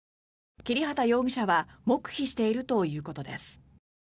切畑容疑者は黙秘しているということです。